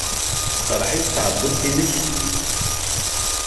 Teqreḥ-ik tɛebbuḍt-nnek?